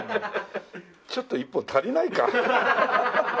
ちょっと１本足りないか。